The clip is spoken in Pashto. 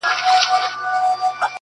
مخامخ وتراشل سوي بت ته ناست دی~